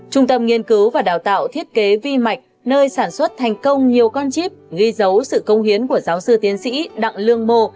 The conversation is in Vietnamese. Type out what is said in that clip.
trung tâm nghiên cứu và đào tạo thiết kế vi mạch nơi sản xuất thành công nhiều con chip ghi dấu sự công hiến của giáo sư tiến sĩ đặng lương mô